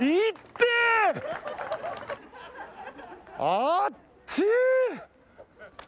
あっちい！